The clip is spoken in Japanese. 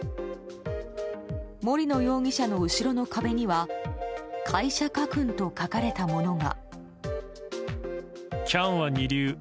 森野容疑者の後ろの壁には「会社家訓」と書かれたものが。